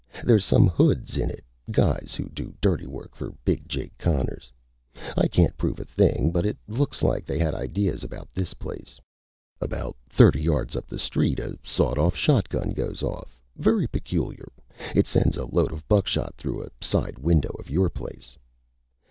"There's some hoods in it guys who do dirty work for Big Jake Connors. I can't prove a thing, but it looks like they had ideas about this place. About thirty yards up the street a sawed off shotgun goes off. Very peculiar. It sends a load of buckshot through a side window of your place."